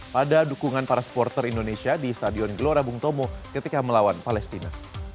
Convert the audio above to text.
pada dukungan para supporter indonesia di stadion gelora bung tomo ketika melawan palestina